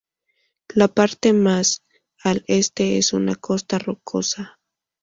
La parte más al este es una costa rocosa.